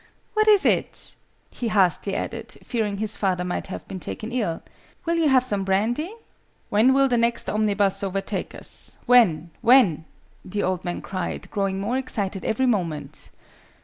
"What is it?" he hastily added, fearing his father might have been taken ill. "Will you have some brandy?" "When will the next omnibus overtake us? When? When?" the old man cried, growing more excited every moment.